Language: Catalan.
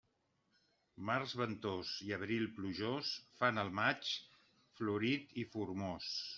Març ventós i abril plujós fan el maig florit i formós.